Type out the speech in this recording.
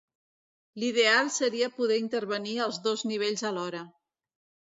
L'ideal seria poder intervenir als dos nivells alhora.